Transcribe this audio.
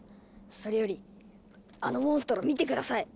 それよりあのモンストロ見て下さい！